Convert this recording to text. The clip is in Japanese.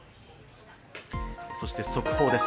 そして速報です。